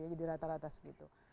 jadi rata rata seperti itu